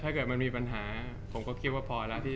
จากความไม่เข้าจันทร์ของผู้ใหญ่ของพ่อกับแม่